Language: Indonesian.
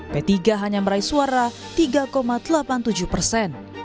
p tiga hanya meraih suara tiga delapan puluh tujuh persen